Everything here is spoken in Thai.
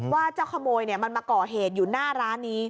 ว่าเจ้าขโมยมันมาก่อเหตุอยู่หน้าร้านนี้